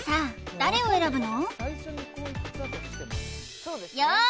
誰を選ぶの？